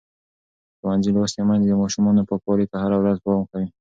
ښوونځې لوستې میندې د ماشومانو پاکوالي ته هره ورځ پام کوي.